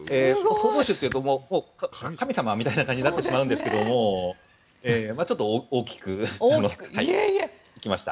創造主というと神様みたいな感じになってしまうんですけどもちょっと大きく行きました。